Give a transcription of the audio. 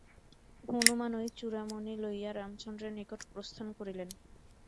হনুমান ঐ চূড়ামণি লইয়া রামচন্দ্রের নিকট প্রস্থান করিলেন।